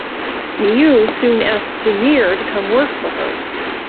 Miu soon asks Sumire to come work for her.